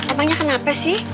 emangnya kenapa sih